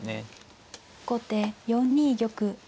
後手４二玉。